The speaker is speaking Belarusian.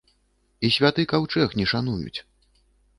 І святы каўчэг не шануюць!